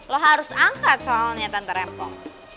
lo harus angkat soalnya tante rempok